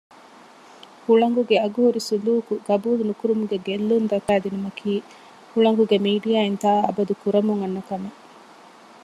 ހުޅަނގުގެ އަގުހުރި ސުލޫކު ގަބޫލު ނުކުރުމުގެ ގެއްލުން ދައްކައިދިނުމަކީ ހުޅަނގުގެ މީޑިއާއިން ތާއަބަދު ކުރަމުން އަންނަ ކަމެއް